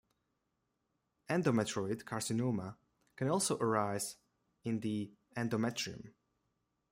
Endometrioid carcinoma can also arise in the endometrium.